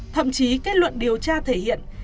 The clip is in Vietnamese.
thậm chí kết luận điều tra thể hiện